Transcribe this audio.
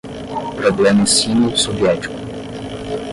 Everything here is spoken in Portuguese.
problema sino-soviético